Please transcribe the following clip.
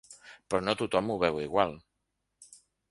Però no tothom ho veu igual.